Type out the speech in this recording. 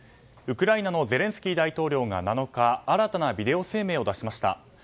ウクライナのゼレンスキー大統領が７日新たなビデオ声明を出しました。